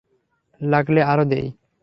লাগলে আরো দেই।